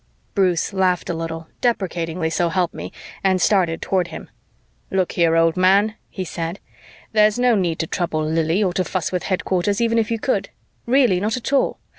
Bruce laughed a little deprecatingly, so help me and started toward him. "Look here, old man," he said, "there's no need to trouble Lili, or to fuss with headquarters, even if you could. Really not at all.